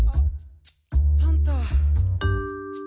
パンタ。